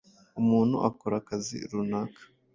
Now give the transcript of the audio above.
umuntu akora akazi runaka